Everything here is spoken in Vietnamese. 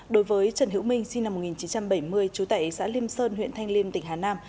đối với trần hữu minh sinh năm một nghìn chín trăm bảy mươi chú tẩy xã liêm sơn huyện thanh liêm tỉnh hà nam